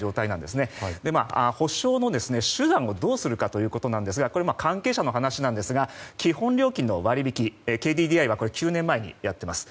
補償の手段をどうするかですが関係者の話なんですが基本料金の割引ＫＤＤＩは９年前にやっています。